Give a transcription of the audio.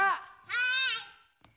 はい！